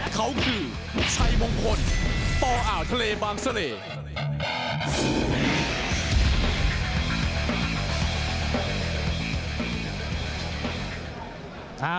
เขาคือชัยมงคลปอ่าวทะเลบางเสล่